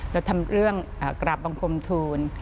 เราทำเรื่องกราบบังคมทูล